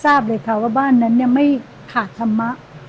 ทราบเลยค่ะว่าบ้านนั้นไม่ขาดธรรมะ